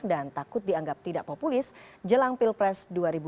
dan takut dianggap tidak populis jelang pilpres dua ribu sembilan belas